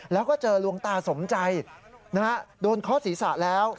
แล้วก็เจอหลวงตาสมใจนะครับโดนเคาะศรีศะแล้ว